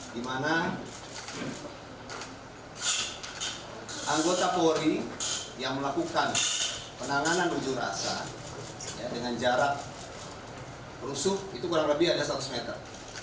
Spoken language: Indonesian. di mana anggota polri yang melakukan penanganan ujur rasa dengan jarak rusuk itu kurang lebih ada seratus meter